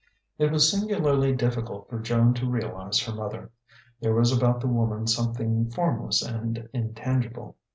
It was singularly difficult for Joan to realize her mother. There was about the woman something formless and intangible.